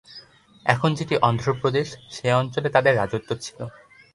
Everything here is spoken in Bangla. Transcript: এখন যেটি অন্ধ্রপ্রদেশ, সেই অঞ্চলে তাদের রাজত্ব ছিল।